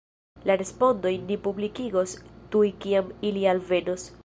La respondojn ni publikigos tuj kiam ili alvenos.